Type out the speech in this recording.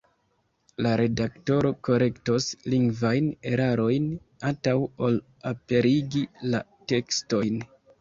La redaktoro korektos lingvajn erarojn antaŭ ol aperigi la tekston.